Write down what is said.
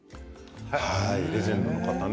レジェンドの方ね。